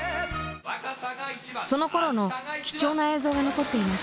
そのころの貴重な映像が残っていました。